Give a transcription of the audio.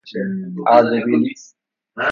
اردبیلی